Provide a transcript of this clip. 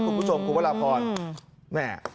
คุณผู้ชมคุณพระราบฮร